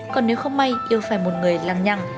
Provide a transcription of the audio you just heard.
còn nếu không may yêu phải một người lang nhăng